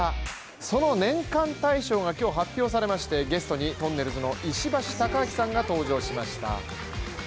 その年間大賞が今日発表されましたゲストに、とんねるずの石橋貴明さんが登場しました。